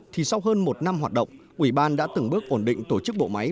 thì sau hơn một năm hoạt động ủy ban đã từng bước ổn định tổ chức bộ máy